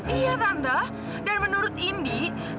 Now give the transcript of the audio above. iya sanda dan menurut indi